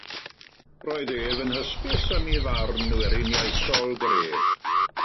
Roedd ef yn hysbys am ei farn weriniaethol gref.